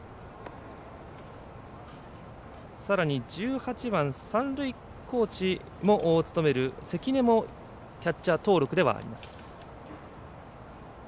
さらに、１８番三塁コーチも務める関根もキャッチャー登録ではあります。